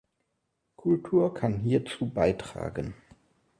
Kultur kann hierzu beitragen.